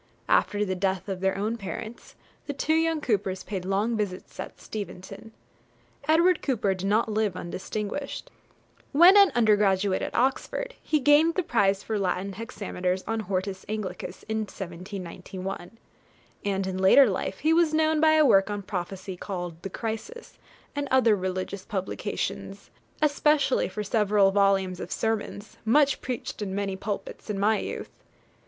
After the death of their own parents, the two young Coopers paid long visits at Steventon. Edward Cooper did not live undistinguished. When an undergraduate at Oxford, he gained the prize for Latin hexameters on 'Hortus Anglicus' in 1791; and in later life he was known by a work on prophecy, called 'The Crisis,' and other religious publications, especially for several volumes of Sermons, much preached in many pulpits in my youth.